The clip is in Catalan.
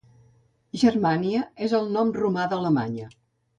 Germania és el nom romà d'Alemanya.